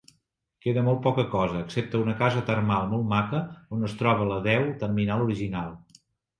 Queda molt poca cosa, excepte una casa termal molt maca on es troba la deu terminal original.